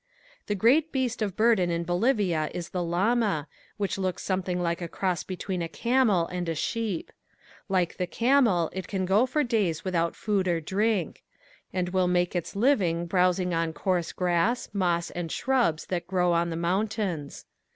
The great beast of burden in Bolivia is the llama, which looks something like a cross between a camel and a sheep. Like the camel it can go for days without food or drink. It can be turned out and will make its living browsing on coarse grass, moss and shrubs that grow on the mountains.